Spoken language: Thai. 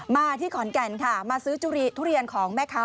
มาที่ขอนแก่นค่ะมาซื้อทุเรียนของแม่ค้า